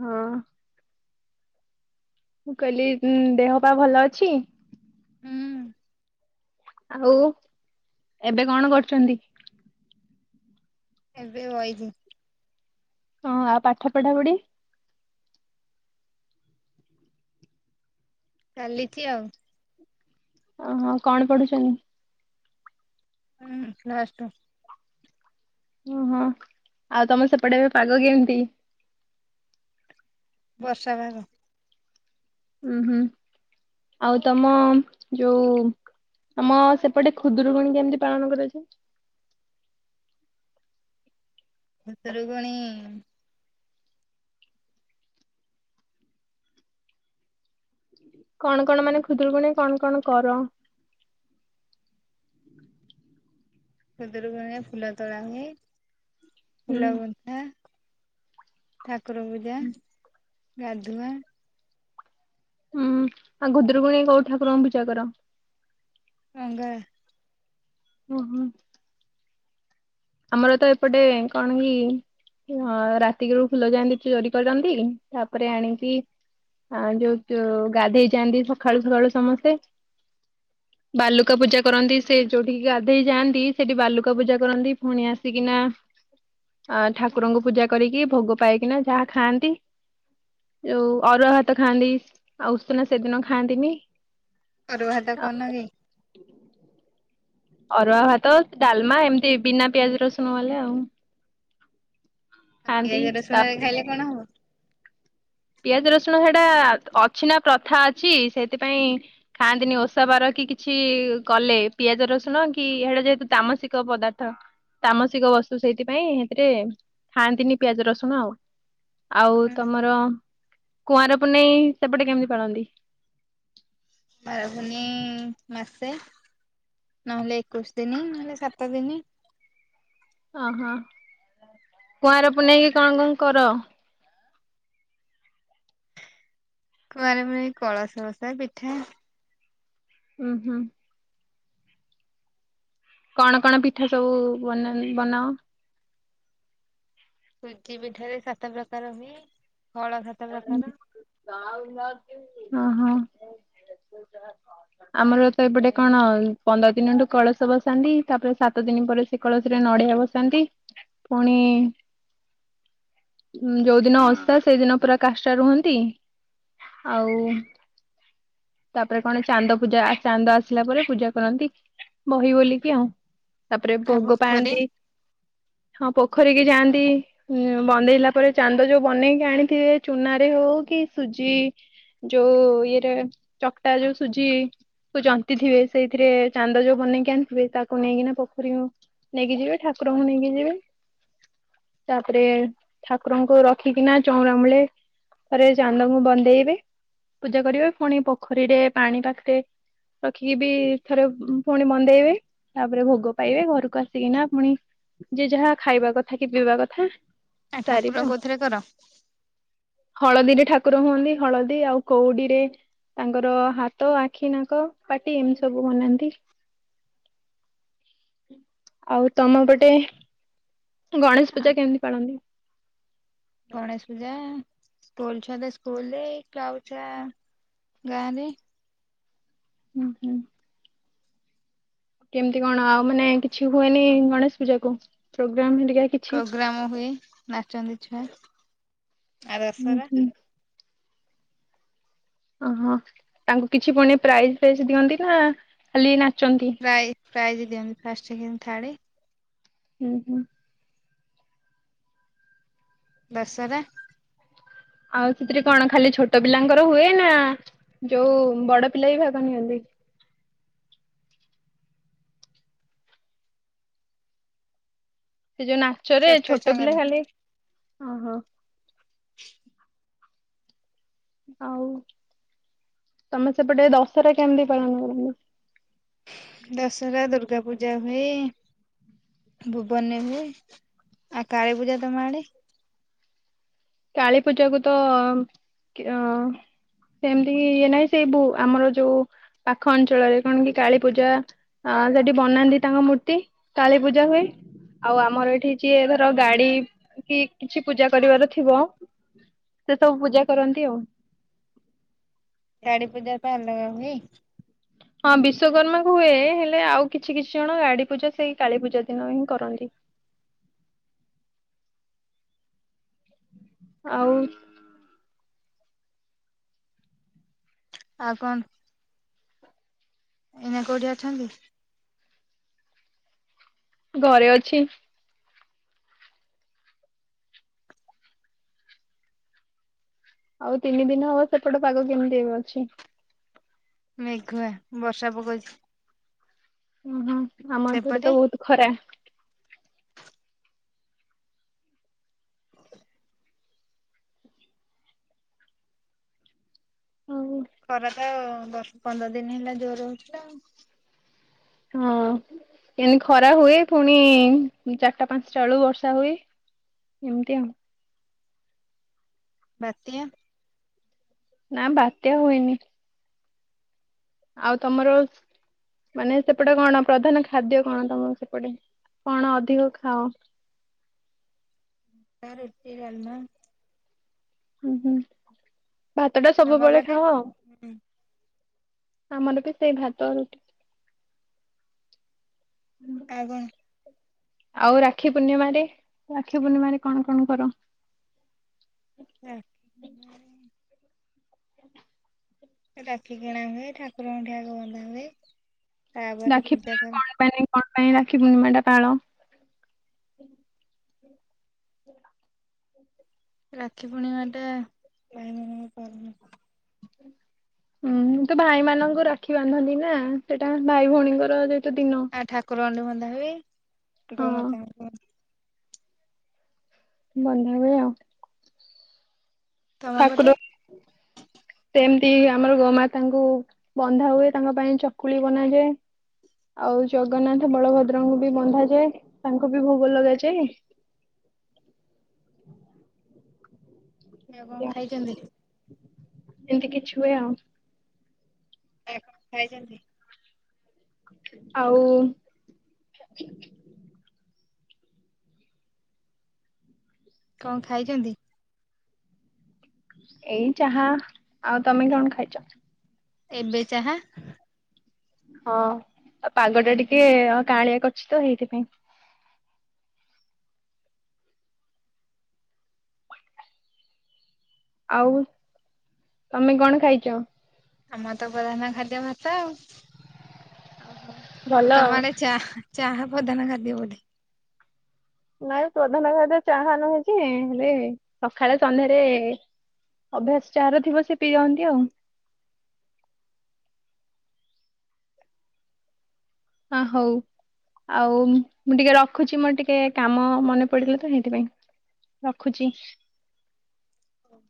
ହଁ। ମୁଁ କହିଲି ଉଁ ଦେହ ପା ଭଲ ଅଛି। ହୁଁ। ଆଉ ଏବେ କଣ କରୁଚନ୍ତି? ଏବେ ବଇଚି ହଁ, ଆଉ ପାଠ ପଢା ପଢି? ଚାଲିଛି ଆଉ। ଓହୋ କଣ ପଢୁଛନ୍ତି? ହୁଁ ପ୍ଲସ ଟୁ ଓହୋ ଆଉ ତମ ସେପଟେ ଏବେ ପାଗ କେମିତି? ବର୍ଷା ପାଗ। ହୁଁ, ହୁଁ ଆଉ ତମ ଯୋଉ ଆମ ସେପଟେ ଖୁଦରୁକୁଣି କେମିତି ପାଳନ କରାଯାଏ? ଖୁଦୁରୁକୁଣି କଣ କଣ ମାନେ ଖୁଦରୁକୁୁଣି କଣ କଣ କର? ଖଦୁରୁକୁଣି ଫୁଲ ତୋଳା ହୁଏ ହୁଁ ଫୁଲ ଗୁନ୍ଥା ଠାକୁର ପୂଜା ଗାଧୁଆ ହୁଁ ଆଉ ଖୁଦୁରୁକୁଣୀ କୋଉ ଠାକୁରଙ୍କୁ ପୂଜା କର? ଅଙ୍ଗା ଓଃ! ଆମର ତ ଏପଟେ କଣ କି ହଁ ରାତିକରୁ ଫୁଲ ଯାଆନ୍ତି ଚୋରି କରନ୍ତି ତାପରେ ଆଣିକି ଆଉ ଯୋଉ ଜୋ ଗାଧେଇ ଯାଆନ୍ତି ସଖାଳୁ ସଖାଳୁ ସମସ୍ତେ ବାଲୁକା ପୂଜା କରନ୍ତି ସେ ଯୋଉଠିକି ଗାଧୋଇ ଯାଆନ୍ତି ସେଠି ବାଲୁକା ପୂଜା କରନ୍ତି। ପୁଣି ଆସିକିନା ଆ ଠାକୁରଙ୍କୁ ପୂଜା କରିକି ଭୋଗ ପାଇକିନା ଯାହା ଖାଆନ୍ତି। ଯୋଉ ଅରୁଆ ଭାତ ଖାଆନ୍ତି ଆଉ ଉଷନା ସେଦିନ ଖାଆନ୍ତିନି। ଅରୁଆ ଭାତ କରୁଣ କି? ଅରୁଆ ଭାତ ଡାଲମା ଏମିତି ବିନା ପିଆଜ ରସୁଣ ବାଲା ଆଉ। ଆଉ ଖାଆନ୍ତି ପିଆଜ ରସୁଣରେ ତାପରେ ଖାଇଲେ କଣ ହବ? ପିଆଜ ରସୁଣ ସେଇଟା ଅଛିନା ପ୍ରଥା ଅଛି ସେଇଥିପାଇଁ ଖାଆନ୍ତିନି ଓଷା ବାର କି କିଛି କଲେ ପିଆଜ ରସୁଣ କି ଏଇଡା ଯେହେତୁ ତାମସିକ ପଦାର୍ଥ ତାମସିକ ବସ୍ତୁ ସେଇଥିପାଇଁ ସେଥିରେ ଖାଆନ୍ତିନି ପିଆଜ ରସୁଣ ଆଉ। ଆଉ ତମର କୁଆଁର ପୁନେଇ ସେପଟେ କେମିତି ପାଳନ୍ତି? କୁଆଁର ପୁନେଇଁ ମାସେ ନହେଲେ ଏକୋଇଶି ଦିନ ନହେଲେ ସାତ ଦିନ। ଅହ! କୁଆଁର ପୁନେଇକି କଣ କଣ କର? କୁଆଁରପୁନେଇ କଳସ ବସା ପିଠା ଉ ହୁଁ। କଣ କଣ ପିଠା ସବୁ ବନା ହୁଏ ବନାଓ? ସୁଜି ପିଠାରେ ସାତ ପ୍ରକାର ହୁଏ, ଫଳ ସାତ ପ୍ରକାର। [unintelligible] ଅ ହଁ। ଆମର ତ ଏପଟେ କଣ ପନ୍ଦର ଦିନଠୁ କଳସ ବସାନ୍ତି ତାପରେ ସାତ ଦିନ ପରେ ସେ କଳସିରେ ନଡିଆ ବସାନ୍ତି ଫୁଣି ଯୋଉ ଦିନ ଓଷା ସେଇଦିନ ପୁରା କାଷ୍ଟା ରୁହନ୍ତି ଆଉ ତାପରେ କଣ ଚାନ୍ଦ ପୂଜା ଆ ଚାନ୍ଦ ଆସିଲା ପରେ ପୂଜା କରନ୍ତି। ବହି ବୋଲିକି ଆଉ ତାପରେ ଆଉ ଭୋଗ ପୋଖରୀ ପାଆନ୍ତି। ହଁ ପୋଖରୀକି ଯାଆନ୍ତି ଉ ବନ୍ଦେଇଲା ପରେ ଚାନ୍ଦ ଯୋଉ ବନେଇକି ଆଣିଥିବେ ଚୂନା ରେ ହଉ କି ସୁଜି ଯୋଉ ଇଏରେ ଚକଟା ଯୋଉ ସୁଜି ଜନ୍ତି ଥିବେ ସେଇଥିରେ ଚାନ୍ଦ ଯୋଉ ବନେଇକି ଆଣିଥିବେ ତାକୁ ନେଇକିନା ପୋଖରୀ ନେଇକି ଯିବେ ଠାକୁରଙ୍କୁ ନେଇକି ଯିବେ ତାପରେ ଠାକୁରଙ୍କୁ ରଖିକିନା ଚଉଁରା ମୂଳେ ଥରେ ଚାନ୍ଦଙ୍କୁ ବନ୍ଦେଇବେ ପୂଜା କରିବେ ପୁଣି ପୋଖରୀରେ ପାଣି ପାଖରେ ରଖିକି ବି ଥରେ ପୁଣି ବନ୍ଦେଇବେ ତାପରେ ଭୋଗ ପାଇବେ ଘରକୁ ଆସିକିନା ପୁଣି ଯେ ଯାହା ଖାଇବା କଥା କି ପିଇବା କଥା ଆ ସାରିବେ ଆଉ। ଠାକୁର କୋଉଥିରେ କର? ହଳଦୀରେ ଠାକୁର ହୁଅନ୍ତି। ହଳଦୀ ଆଉ କୋଉଡ଼ିରେ ତାଙ୍କର ହାଟ, ଆଖି, ନାକ, ପାଟି ଏମିତି ସବୁ ବନାନ୍ତି। ଆଉ ତମ ପଟେ ଗଣେଶ ଆ ପୂଜା କେମିତି ପାଳନ୍ତି। ଗଣେଶ ପୂଜା ସ୍କୁଲ ଛୁଆ ତ ସ୍କୁଲରେ କାଉ ଛୁଆ ଗାଁରେ ହୁଁ ହୁଁ କେମିତି କଣ ଆଉ ମାନେ କିଛି ହୁଏନି ଗଣେଶ ପୂଜାକୁ ପ୍ରୋଗ୍ରାମ ହେରିକା କି ପ୍ରୋଗ୍ରାମ ହୁଏ ନାଚନ୍ତି ଛୁଆ ଆ ହୁଁ ଦସରା ହୁଁ ଅହଁ ତାଙ୍କୁ କିଛି ପୁଣି ପ୍ରାଇଜ୍ ଫାଇଜ୍ ଦିଅନ୍ତି ନା ଖାଲି ନାଚନ୍ତି। ପ୍ରାଇ ପ୍ରାଇଜ୍ ଦିଅନ୍ତି ଫାଷ୍ଟ ସେକେଣ୍ଡ ଥାର୍ଡ଼। ହୁଁ ହୁଁ ବଶରେ ଆଉ ସେଥିରେ କଣ ଖାଲି ଛୋଟ ପିଲାଙ୍କର ହୁଏ ନା ଯୋଉ ବଡ଼ ପିଲା ବି ଭାଗ ନିଅନ୍ତି। ସେ ସେ ଯୋଉ ନାଚରେ ଛୋଟ ପିଲା ଖାଲି ଓହୋ ହ ଆଉ ତମେ ସେପଟେ ଦଶହରା କେମିତି ପାଳନ କରିବ? ଦଶହରା ଦୁର୍ଗା ପୂଜା ହୁଏ। ଭୁବନ ନେଲେ ଆଉ କାଳୀ ପୂଜା ତମ ଆଡ଼େ କାଳୀ ପୂଜାକୁ ତ କିର ସେମିତି ଇଏ ନାହିଁ ସେଇବୁ ଆମର ଯୋଉ ପାଖ ଅଞ୍ଚଳରେ କଣ କି କାଳୀ ପୂଜା ଆ ସେଠି ବନାନ୍ତି ତାଙ୍କ ମୂର୍ତ୍ତି କାଳି ପୂଜା ହୁଏ। ଆଉ ଆମର ଏଠି ଯିଏ ଧର ଗାଡ଼ି କି କିଛି ପୂଜା କରିବାର ଥିବ ସେ ସବୁ ପୂଜା କରନ୍ତି ଆଉ। ଗାଡ଼ି ପୂଜା ପା ଅଲଗା ହୁଏ। ହଁ ବିଶ୍ଵକର୍ମା କୁ ହୁଏ। ହେଲେ ଆଉ କିଛି କିଛି ଜଣ ଗାଡ଼ି ପୂଜା ସେଇ କାଳୀ ପୂଜା ଦିନ ହିଁ କରନ୍ତି। ଆଉ ଆଉ କଣ? ଏଇନା କୋଉଠି ଅଛନ୍ତି? ଘରେ ଅଛି। ଆଉ ତିନି ଦିନ ହବ ସେପଟ ପାଗ କେମିତି ଏବେ ଅଛି? ମେଘୁଆ ବର୍ଷା ପକଉଛି। ଓହୋ ଆମ ଏପଟେ ସେପଟେ? ତ ବହୁତ ଖରା। ହଁ ହଉ ଖରା ତ ବର୍ଷ ପନ୍ଦର ଦିନ ହେଲା ଜୋର ହଉଥିଲା ଆଉ। ହଁ ଏତି ଖରା ହୁଏ ପୁଣି ଚାରିଟା ପାଞ୍ଚଟା ବେଳକୁ ବର୍ଷା ହୁଏ। ଏମତି ଆଉ। ବାତ୍ୟା ନା ବାତ୍ୟା ହୁଏନି। ଆଉ ତମର ମାନେ ସେପଟେ କଣ ପ୍ରଧାନ ଖାଦ୍ୟ କଣ ତମକୁ ସେପଟେ କଣ ଅଧିକ ଖାଅ? ଆମର ଇପି, ଡାଲମା ହୁଁ ହୁଁ ଭାତଟା ସବୁବେଳେ ଖାଅ ଆଉ। ହୁଁ ଆମନ ବି ସେଇ ଭାତ ରୁଟି ହୁଁ। ଆଉ କଣ? ଆଉ ରାକ୍ଷୀ ପୂର୍ଣ୍ଣିମାରେ ରାକ୍ଷୀ ପୂର୍ଣ୍ଣିମାରେ କଣ କଣ କର? ରା [unintelligible] ରାକ୍ଷୀ କିଣା ହୁଏ ଠାକୁରଙ୍କ ଠି ଆଗ ବନ୍ଧା ହୁଏ। ତାପରେ ରାକ୍ଷୀ ପୂଜା [unintelligible] କରା କଣ ପାଇଁ କଣ ପାଇଁ ରାକ୍ଷୀ ପୂର୍ଣ୍ଣିମାଟା ପାଳ? ରାକ୍ଷୀ ପୂର୍ଣିମା ଟା। [unintelligible] ହୁଁ ତ ଭାଇମାନଙ୍କୁ ରାକ୍ଷୀ ବାନ୍ଧନ୍ତି ନା ସେଟା ଭାଇ ଭଉଣୀଙ୍କର ଯେହେତୁ ଦିନ। ଆଉ ଠାକୁର ଟି ବନ୍ଧା ହୁଏ ହଁ ଗୋମାତା ବନ୍ଧା ହୁଏ ଆଉ। ତମ ପଟେ ତାପରେ ସେମିତି ଆମର ଗୋମାତାଙ୍କୁ ବନ୍ଧା ହୁଏ ତାଙ୍କ ପାଇଁ ଚକୁଳି ବନାଯାଏ। ଆଉ ଜଗନ୍ନାଥ ବଳଭଦ୍ରଙ୍କୁ ବି ବନ୍ଧାଯାଏ ତାଙ୍କୁ ବି ଭୋଗ ଲଗାଯାଏ। ଆଉ କଣ ଖାଇଚନ୍ତି? ଇନ୍ତି କିଛି ହୁଏ ଆଉ। ଏ ଖାଇଛନ୍ତି? ଆଉ କଣ ଖାଇଚନ୍ତି? ଏଇ ଚାହା ଆଉ ତମେ କଣ ଖାଇଚ? ଏବେ ଚାହା? ହଁ ଆଉ ପାଗଟା ଟିକେ କାଁଳିଆ କରଚି ତ ହେଇଥିପାଇଁ। ଆଉ ତମେ କଣ ଖାଇଚ? ଆମର ତ ପ୍ରଆନ ଖାଦ୍ୟ ଭାତ ଆଉ। ଭଲ ତମ ଆଉ ଆଡେ ଚା ଚାହା ପଧାନ ଖାଦ୍ୟ ବୋଧେ। ନାଇ ପ୍ରଧାନ ଖାଦ୍ୟ ଚାହା ନୁହ ଯେ ହେଲେ ସକାଳେ ସନ୍ଧ୍ୟାରେ ଅଭ୍ୟାସ ଚାହାର ଥିବ ସିଏ ପିଅନ୍ତି ଆଉ। ଆ ହଉ। ଆଉ ମୁଁ ଟିକେ ରଖୁଚି ମୋର ଟିକେ କାମ ମନେ ପଡିିଲା ତ ହେଇଥିପାଇଁ। ରଖୁଚି। ଓଉ।